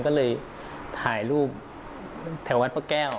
ก็เลยถ่ายรูปแถววัดพระแก้ว